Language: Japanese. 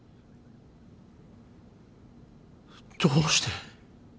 どうして？